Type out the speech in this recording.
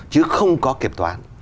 chứ không có kiểm toán